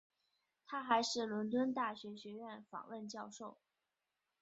他还是伦敦大学学院访问教授。